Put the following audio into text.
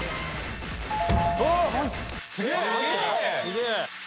すげえ！